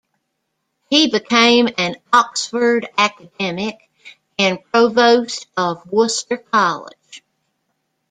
He became an Oxford academic, and Provost of Worcester College.